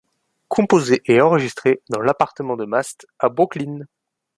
Composé et enregistré dans l'appartement de Mast à Brooklyn.